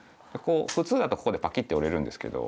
普通だとここでパキッて折れるんですけど。